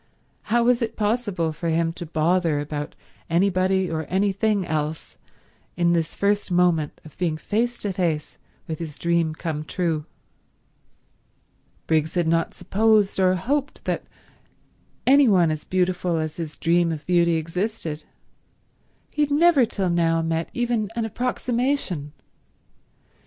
How was it possible for him to bother about anybody or anything else in this first moment of being face to face with his dream come true? Briggs had not supposed or hoped that any one as beautiful as his dream of beauty existed. He had never till now met even an approximation.